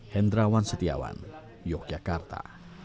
hendrawan setiawan yogyakarta